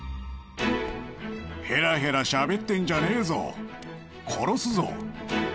ヘラヘラしゃべってんじゃねーぞ殺すぞ。